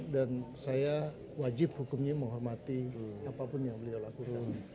dan saya wajib hukumnya menghormati apapun yang beliau lakukan